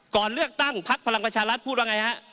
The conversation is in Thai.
ก่อนเลือกตั้งพักพลังประชารัฐพูดว่าไงฮะ